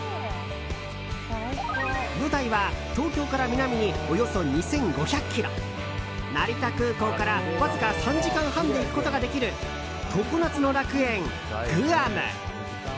舞台は東京から南に、およそ２５００ｋｍ成田空港から、わずか３時間半で行くことができる常夏の楽園グアム。